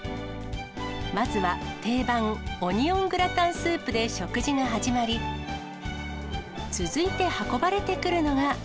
まずは定番、オニオングラタンスープで食事が始まり、続いて運ばれてくるのが。